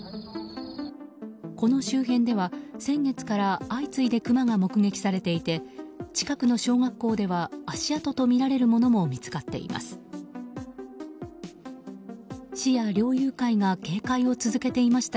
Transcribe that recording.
この周辺では、先月から相次いでクマが目撃されていて近くの小学校では足跡とみられるものも見つかっています。